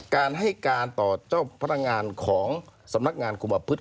การให้การต่อเจ้าพนักงานของสำนักงานคุมประพฤติ